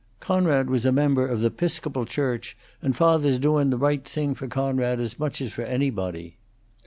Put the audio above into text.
"Coonrod was a member of the 'Piscopal Church; and fawther's doin' the whole thing for Coonrod as much as for anybody.